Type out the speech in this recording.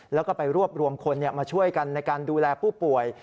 แล้วก็ไปรวบรวมคนมาช่วยกันในการดูแลผู้ป่วย